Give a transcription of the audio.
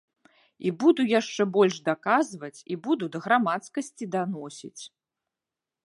І буду яшчэ больш даказваць, і буду да грамадскасці даносіць.